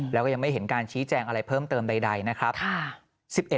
แล้วก็ยังไม่เห็นการชี้แจงอะไรเพิ่มเติมใดนะครับ